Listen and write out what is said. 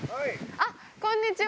あっ、こんにちは。